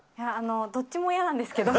どっちも嫌なんですけど。